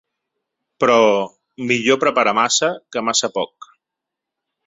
Però, millor preparar massa que massa poc.